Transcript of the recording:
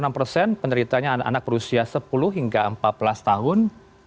empat puluh enam persen penderitanya anak berusia sepuluh hingga empat belas tahun